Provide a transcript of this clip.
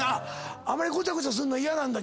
あまりごちゃごちゃすんの嫌なんだ？